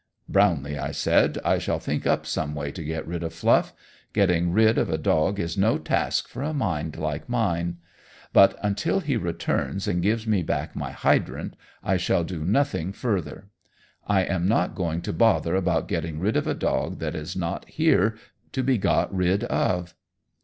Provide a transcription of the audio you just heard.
"Brownlee," I said, "I shall think up some way to get rid of Fluff. Getting rid of a dog is no task for a mind like mine. But until he returns and gives me back my hydrant, I shall do nothing further. I am not going to bother about getting rid of a dog that is not here to be got rid of."